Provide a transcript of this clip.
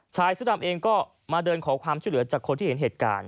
ชายเสื้อดำเองก็มาเดินขอความช่วยเหลือจากคนที่เห็นเหตุการณ์